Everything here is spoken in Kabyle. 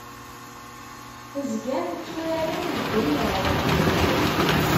Zgan tturaren deg unnar.